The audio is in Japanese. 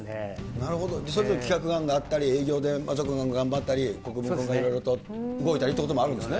なるほど、それぞれ企画案であったり、営業で松岡君が頑張ったり、国分君がいろいろと動いたりということもあるんですね。